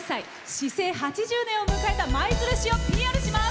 市政８０年を迎えた舞鶴市をＰＲします。